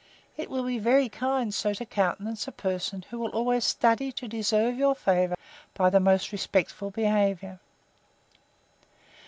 It will be very kind so to countenance a person who will always study to deserve your favour, by the most respectful behaviour.